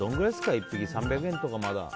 １匹３００円とか。